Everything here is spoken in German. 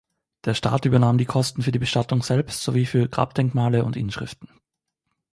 Der Staat übernahm die Kosten für die Bestattung selbst sowie für Grabdenkmale und Inschriften.